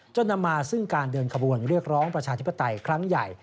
นำมาซึ่งการเดินขบวนเรียกร้องประชาธิปไตยครั้งใหญ่